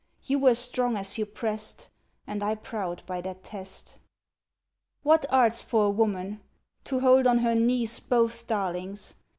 you were strong as you pressed, And I proud by that test. What art's for a woman! To hold on her knees Both darlings!